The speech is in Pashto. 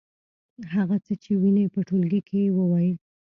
هغه څه چې وینئ په ټولګي کې ووایئ.